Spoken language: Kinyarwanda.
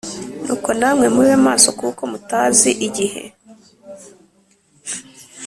Nuko namwe mube maso kuko mutazi igihe